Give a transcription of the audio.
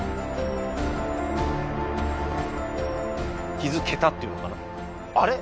「気づけた」っていうのかなあれ？